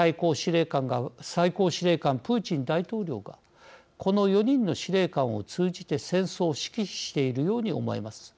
最高司令官プーチン大統領がこの４人の司令官を通じて戦争を指揮しているように思えます。